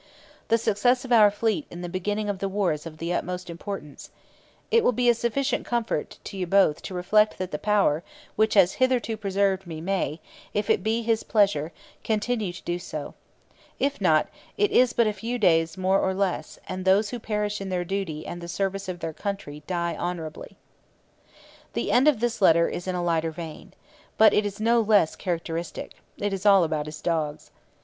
'The success of our fleet in the beginning of the war is of the utmost importance.' 'It will be sufficient comfort to you both to reflect that the Power which has hitherto preserved me may, if it be His pleasure, continue to do so. If not, it is but a few days more or less, and those who perish in their duty and the service of their country die honourably.' The end of this letter is in a lighter vein. But it is no less characteristic: it is all about his dogs.